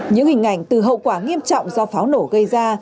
những hình ảnh từ hậu quả nghiêm trọng do pháo nổ gây ra